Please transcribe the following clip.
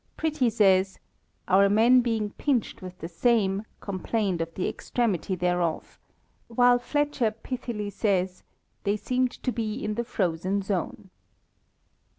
Pretty says, " our men being pinched with the same, complained of the extremity thereof," while Fletcher pithily says, "they seemed to be in the frozen zone."